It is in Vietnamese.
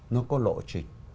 nó có lộ trình